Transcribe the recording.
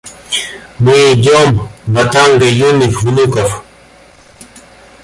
Мы идем — ватага юных внуков!